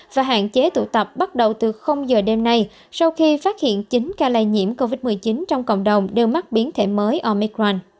và hạn chế tụ tập bắt đầu từ giờ đêm nay sau khi phát hiện chín ca lây nhiễm covid một mươi chín trong cộng đồng đều mắc biến thể mới omicron